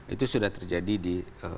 itu sudah terjadi di